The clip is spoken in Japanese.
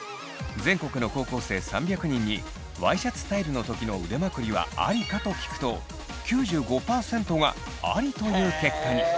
全国の高校生３００人に「ワイシャツスタイルの時の腕まくりはありか？」と聞くと９５％がありという結果に。